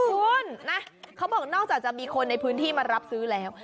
คุณนะเขาบอกนอกจากจะมีคนในพื้นที่มารับซื้อแล้ว